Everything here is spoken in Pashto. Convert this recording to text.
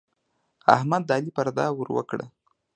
احمد د علي پرده ور وکړه.